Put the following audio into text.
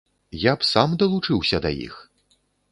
Я б сам далучыўся да іх!